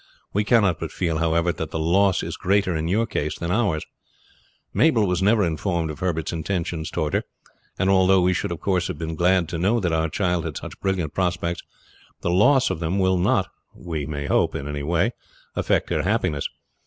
We cannot but feel, however, that the loss is greater in your case than in ours. Mabel was never informed of Herbert's intentions toward her, and although we should of course have been glad to know that our child had such brilliant prospects, the loss of them will not we may hope in any way affect her happiness.